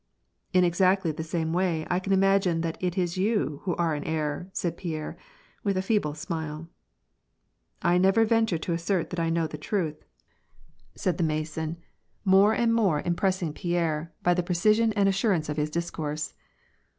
" In exactly the same way, I can imagine that it is you who are in error," said Pierre, with a feeble smile. " I never venture to assert that T know the truth," said the WAR AND PEACE. 71 Mason, more and more impressing Pierre by the precision and assurance of his discourse.